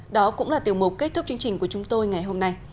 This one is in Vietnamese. đó cũng là tiểu mục kết thúc chương trình của chúng tôi ngày hôm nay